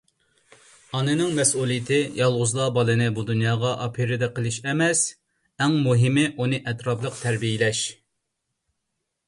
ئانىنىڭ مەسئۇلىيىتى يالغۇزلا بالىنى بۇ دۇنياغا ئاپىرىدە قىلىشلا ئەمەس، ئەڭ مۇھىمى ئۇنى ئەتراپلىق تەربىيەلەش.